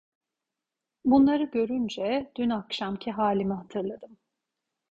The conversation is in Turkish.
Bunları görünce dün akşamki halimi hatırladım.